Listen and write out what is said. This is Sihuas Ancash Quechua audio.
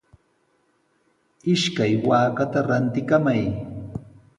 Ishkay waakata rantikamay.